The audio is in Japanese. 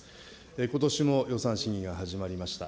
ことしも予算審議が始まりました。